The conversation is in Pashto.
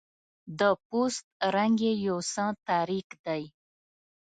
د پوست رنګ یې یو څه تاریک دی.